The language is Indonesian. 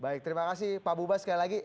baik terima kasih pak buba sekali lagi